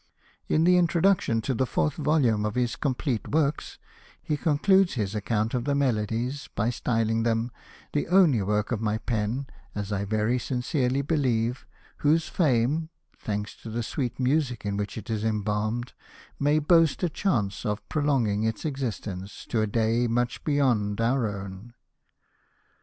In the introduction to the fourth volume of his complete works, he concludes his account of the Melodies by styling them "the only work of my pen, as I very sincerely believe, whose fame (thanks to the sweet music in which it is embalmed) may boast a chance of prolonging its existence to a day much beyond our own."